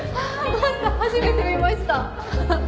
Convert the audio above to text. マンタ初めて見ました。